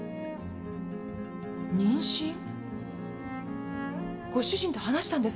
妊娠？ご主人と話したんですか？